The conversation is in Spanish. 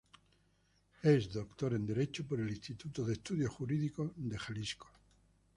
Es Doctor en Derecho por el Instituto de Estudios Jurídicos de Jalisco.